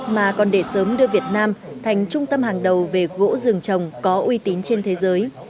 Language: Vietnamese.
mà còn để sớm đưa việt nam thành trung tâm hàng đầu về gỗ rừng trồng có uy tín trên thế giới